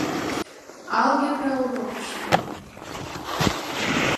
Алгебра урокышто.